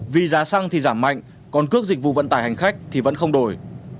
vì giá xăng thì giảm mạnh còn cước dịch vụ vận tải hành khách thì vẫn không đổi